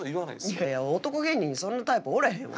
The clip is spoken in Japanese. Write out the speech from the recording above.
いやいや男芸人にそんなタイプおらへんわ。